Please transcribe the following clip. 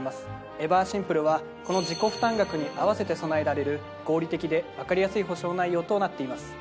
「ＥＶＥＲシンプル」はこの自己負担額に合わせて備えられる合理的で分かりやすい保障内容となっています。